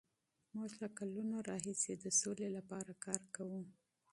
موږ له کلونو راهیسې د سولې لپاره کار کوو.